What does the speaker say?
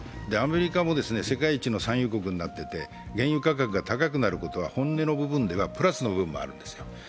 アメリカも世界一の産油国になっていて原油価格が高くなることは本音の部分ではプラスの部分でもあるんですよ。